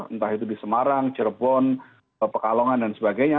entah itu di semarang cirebon pekalongan dan sebagainya